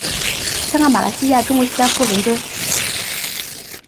香港马来西亚中国新加坡伦敦